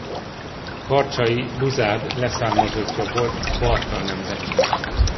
Karcsai Buzád leszármazottja volt a Bartal nemzetség.